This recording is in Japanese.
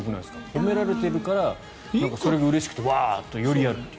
褒められているからそれがうれしくてより、わーっとやると。